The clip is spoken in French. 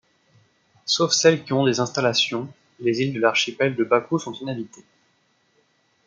Sauf celles qui ont des installations, les îles de l'Archipel de Bakou sont inhabitées.